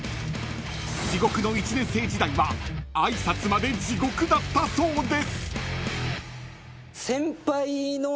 ［地獄の１年生時代は挨拶まで地獄だったそうです］